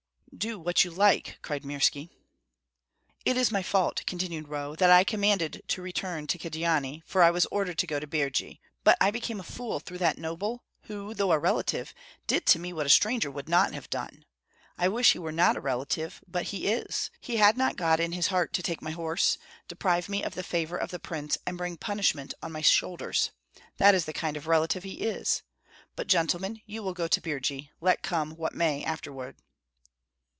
"Do what you like!" cried Mirski. "It is my fault," continued Roh, "that I commanded to return to Kyedani, for I was ordered to go to Birji; but I became a fool through that noble, who, though a relative, did to me what a stranger would not have done. I wish he were not a relative, but he is. He had not God in his heart to take my horse, deprive me of the favor of the prince, and bring punishment on my shoulders. That is the kind of relative he is! But, gentlemen, you will go to Birji, let come what may afterward."